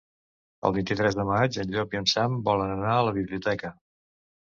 El vint-i-tres de maig en Llop i en Sam volen anar a la biblioteca.